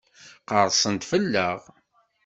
Qerrsen-d fell-aɣ?